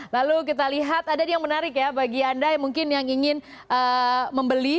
lalu kita lihat ada yang menarik ya bagi anda yang mungkin yang ingin membeli